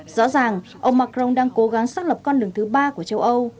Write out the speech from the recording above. rõ ràng ông macron đang cố gắng xác lập con đường thứ ba của châu âu